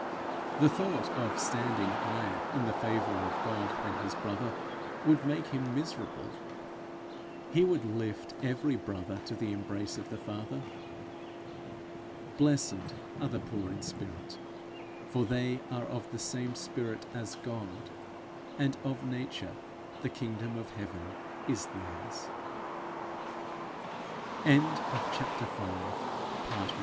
The thought of standing higher in the favour of God than his brother, would make him miserable. He would lift every brother to the embrace of the Father. Blessed are the poor in spirit, for they are of the same spirit as God, and of nature the kingdom of heaven is theirs. 'Blessed are the meek, for they